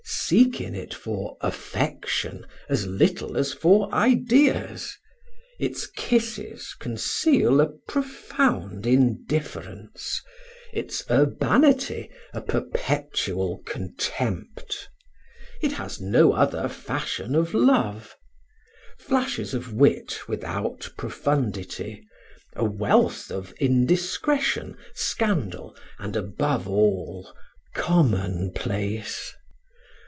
Seek in it for affection as little as for ideas. Its kisses conceal a profound indifference, its urbanity a perpetual contempt. It has no other fashion of love. Flashes of wit without profundity, a wealth of indiscretion, scandal, and above all, commonplace.